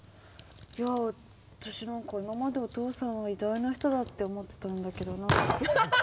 いや私何か今までお父さんは偉大な人だって思ってたんだけどな。